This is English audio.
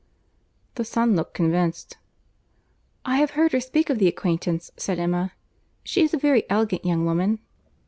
The son looked convinced. "I have heard her speak of the acquaintance," said Emma; "she is a very elegant young woman."